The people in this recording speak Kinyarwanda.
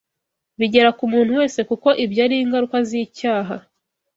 bigera ku muntu wese kuko ibyo ari ingaruka z’icyaha